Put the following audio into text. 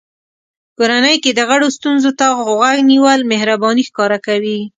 کورنۍ کې د غړو ستونزو ته غوږ نیول مهرباني ښکاره کوي.